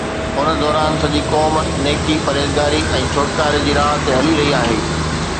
ان دوران سڄي قوم نيڪي، پرهيزگاري ۽ ڇوٽڪاري جي راهه تي هلي رهي آهي.